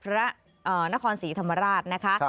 พระนครสีธรรมราชนะคะ